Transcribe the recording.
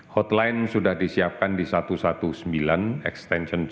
hotline sudah disiapkan di satu ratus sembilan belas extension dua